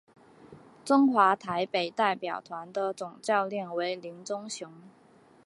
中华台北代表团的总教练为林忠雄。